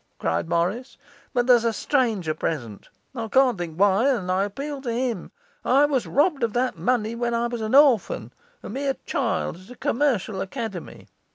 cried Morris. 'But there's a stranger present, I can't think why, and I appeal to him. I was robbed of that money when I was an orphan, a mere child, at a commercial academy.